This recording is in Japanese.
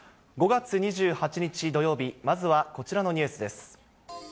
５月２８日土曜日、まずはこちらのニュースです。